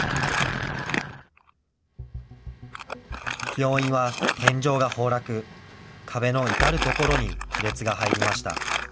病院は天井が崩落、壁の至る所に亀裂が入りました。